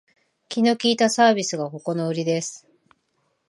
気の利いたサービスがここのウリです